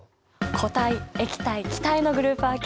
固体液体気体のグループ分け